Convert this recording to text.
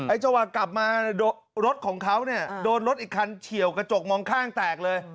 จังหวะกลับมารถของเขาเนี่ยโดนรถอีกคันเฉียวกระจกมองข้างแตกเลย